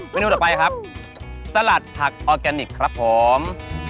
นูต่อไปครับสลัดผักออร์แกนิคครับผม